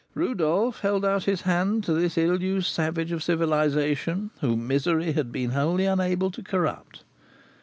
Rodolph held out his hand to this ill used savage of civilisation, whom misery had been unable wholly to corrupt.